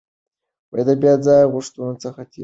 د بې ځایه غوښتنو څخه تېر شئ.